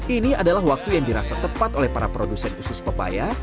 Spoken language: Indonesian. ini adalah waktu yang dirasa tepat oleh para produsen usus pepaya